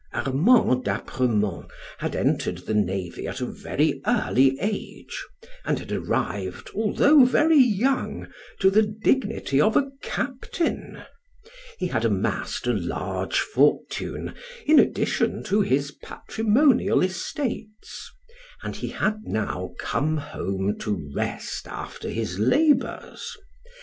Armand d'Apremont had entered the navy at a very early age, and had arrived, although very young, to the dignity of a captain. He had amassed a large fortune, in addition to his patrimonial estates, and he had now come home to rest after his labors.